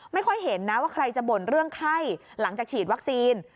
ไม่ค่อยเห็นนะว่าใครจะบ่นเรื่องไข้หลังจากฉีดวัคซีน